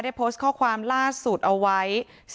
โพสต์ข้อความล่าสุดเอาไว้